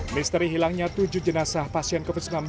misteri hilangnya tujuh jenazah pasien covid sembilan belas